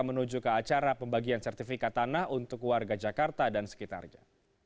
menuju ke acara pembagian sertifikat tanah untuk warga jakarta dan sekitarnya